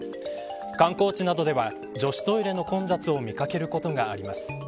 観光地などでは女子トイレの混雑を見掛けることがあります。